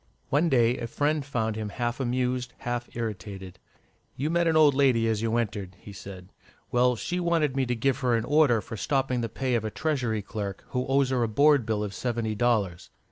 One day a friend found him half amused, half irritated. "You met an old lady as you entered," he said. "Well, she wanted me to give her an order for stopping the pay of a Treasury clerk who owes her a board bill of seventy dollars."